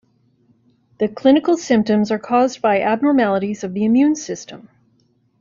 The clinical symptoms are caused by abnormalities of the immune system.